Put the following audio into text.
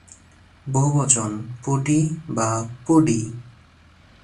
বহুবচন: পুডি বা পুডি।